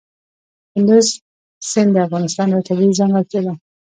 کندز سیند د افغانستان یوه طبیعي ځانګړتیا ده.